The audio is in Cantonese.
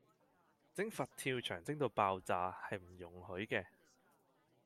整佛跳牆整到爆炸，係唔容許嘅